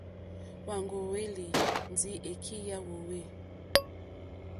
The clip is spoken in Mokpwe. Hwá ŋwèyélì ndí èkí yá hwōhwê.